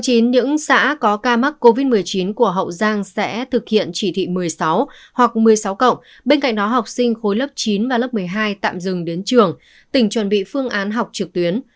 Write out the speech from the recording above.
trên những xã có ca mắc covid một mươi chín của hậu giang sẽ thực hiện chỉ thị một mươi sáu hoặc một mươi sáu cộng bên cạnh đó học sinh khối lớp chín và lớp một mươi hai tạm dừng đến trường tỉnh chuẩn bị phương án học trực tuyến